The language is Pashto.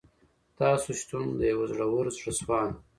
تاسو شتون د یوه زړور، زړه سواند